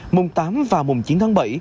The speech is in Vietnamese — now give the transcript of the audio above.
mùng tám và mùng chín tháng bảy